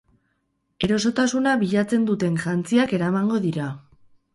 Erosotasuna bilatzen duten jantziak eramango dira.